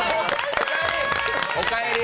おかえり。